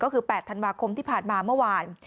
ก็คือ๘ธันวาคมที่ผ่านมาเมื่อวาน